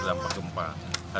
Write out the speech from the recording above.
kita bergerak untuk membangun